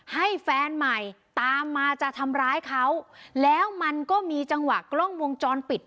ให้แฟนใหม่ตามมาจะทำร้ายเขาแล้วมันก็มีจังหวะกล้องวงจรปิด